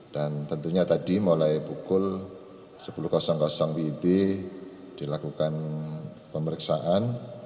dan tentunya tadi mulai pukul sepuluh wib dilakukan pemeriksaan